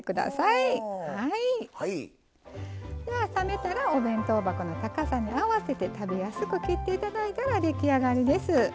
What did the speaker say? では冷めたらお弁当箱の高さに合わせて食べやすく切って頂いたら出来上がりです。